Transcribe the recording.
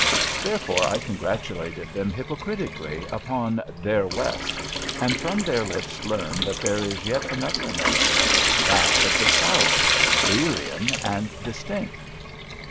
Therefore I congratulated them hypocritically upon their West,'' and from their lips learn that there is yet another America, that of the South — ^alien and dis tinct.